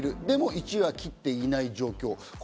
でも１はきっていない状況。